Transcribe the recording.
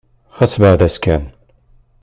Ɣas beɛɛed-as kan.